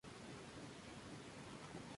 Otros: "en plata, siete armiños de sable".